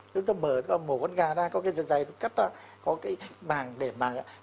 chúng ta mở con gà ra có cái dài dài cắt ra có cái bàn để mà